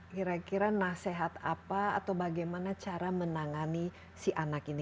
kira kira nasihat apa atau bagaimana cara menangani si anak ini